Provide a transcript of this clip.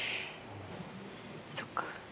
そっか。